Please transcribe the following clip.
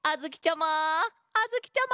あづきちゃま！